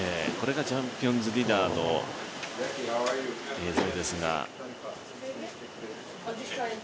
これがチャンピオンズディナーの映像ですが。